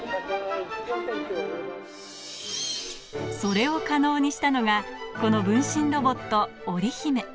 それを可能にしたのが、この分身ロボット・オリヒメ。